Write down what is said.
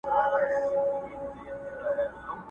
چي ژړل به یې ویلې به یې ساندي!!